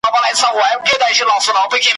او له ګټو څخه ئې مستفيد سوم